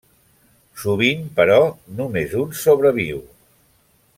Sovint, però, només un sobreviu.